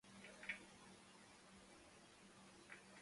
Feria y Fiestas en honor a Ntra.